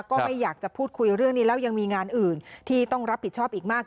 ก็ไม่อยากจะพูดคุยเรื่องนี้แล้วยังมีงานอื่นที่ต้องรับผิดชอบอีกมาก